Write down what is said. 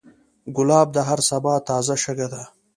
ګلاب د هر سبا تازه شګه ده.